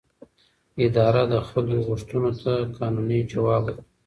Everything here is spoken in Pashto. اداره د خلکو غوښتنو ته قانوني ځواب ورکوي.